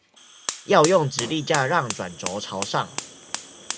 要用直立架讓轉軸朝上